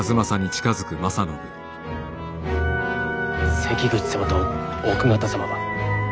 関口様と奥方様は？